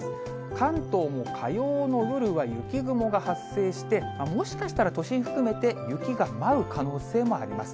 関東も火曜の夜は雪雲が発生して、もしかしたら都心含めて、雪が舞う可能性もあります。